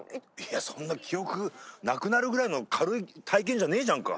そんな記憶なくなるぐらいの軽い体験じゃねえじゃんか。